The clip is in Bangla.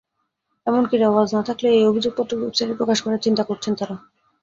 এমনকি রেওয়াজ না থাকলেও এই অভিযোগপত্র ওয়েবসাইটে প্রকাশ করার চিন্তা করছেন তাঁরা।